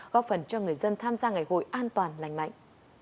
góp phần cho người dân tham gia ngày hội an toàn lành mạnh